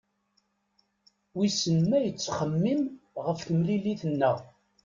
Wissen ma yettxemmim ɣef temlilit-nneɣ?